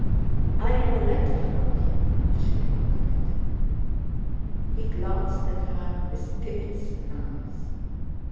"I have a letter from him," she replied. He glanced at her with timid surprise.